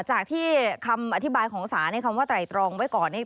จากที่คำอธิบายของศาลในคำว่าไตรตรองไว้ก่อนนี้